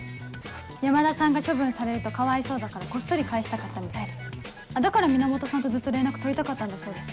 山田さんが処分されるとかわいそうだからこっそり返したかったみたいでだから源さんとずっと連絡取りたかったんだそうです。